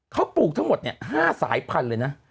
เขาปลูกทั้งหมด๕สายพันธุ์เลยนะ